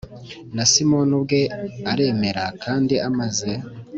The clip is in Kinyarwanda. Na Simoni ubwe aremera kandi amaze